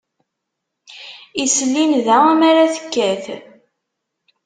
Isel i nnda mi ara tekkat.